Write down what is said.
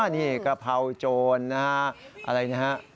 นี่กะเพราโจรนะฮะอะไรนะฮะ